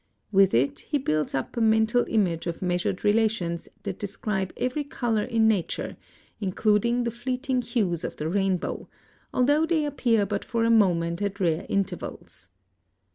With it he builds up a mental image of measured relations that describe every color in nature, including the fleeting hues of the rainbow, although they appear but for a moment at rare intervals.